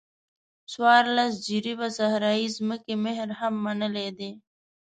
څوارلس جریبه صحرایي ځمکې مهر هم منلی دی.